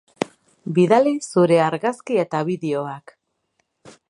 Bidali zure argazki eta bideoak!